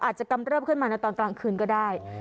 อาจจะกำเตือบขึ้นมานะตอนต่างคืนก็ได้